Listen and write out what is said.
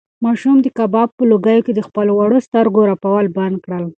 ماشوم د کباب په لوګیو کې د خپلو وړوکو سترګو رپول بند کړل.